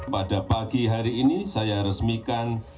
pada pagi hari ini saya resmikan